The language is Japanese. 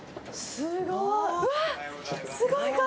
すごい。